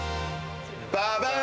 ババーン！